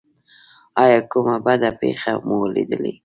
ایا کومه بده پیښه مو لیدلې؟